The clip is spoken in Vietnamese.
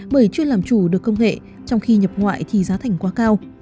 bởi chưa làm chủ được công nghệ trong khi nhập ngoại thì giá thành quá cao